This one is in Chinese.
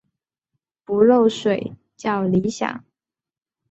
不漏水较理想。